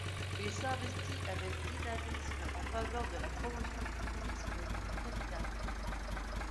Il s'investit avec dynamisme en faveur de la promotion du tourisme dans la capitale.